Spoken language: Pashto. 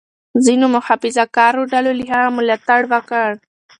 ځینو محافظه کارو ډلو له هغه ملاتړ وکړ.